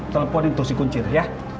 teleponin tuh si kuncir ya